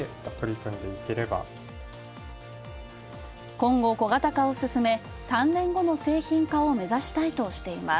今後、小型化を進め３年後の製品化を目指したいとしています。